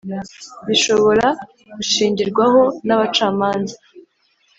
bishobora gushingirwaho n abacamanza